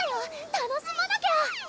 楽しまなきゃ！